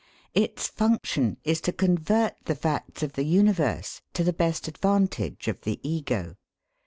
Its function is to convert the facts of the universe to the best advantage of the Ego.